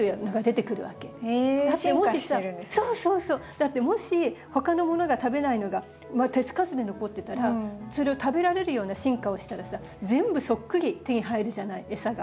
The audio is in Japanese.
だってもし他のものが食べないのが手付かずで残ってたらそれを食べられるような進化したらさ全部そっくり手に入るじゃない餌が。